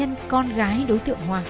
và cặp tình nhân con gái đối tượng hoa